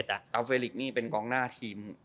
เจาเฟลิกซ์นี่เป็นกองหน้าทีม